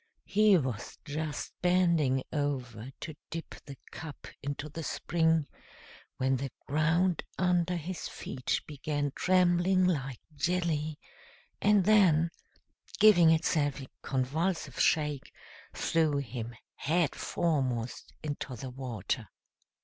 He was just bending over to dip the cup into the spring, when the ground under his feet began trembling like jelly, and then, giving itself a convulsive shake, threw him head foremost into the water.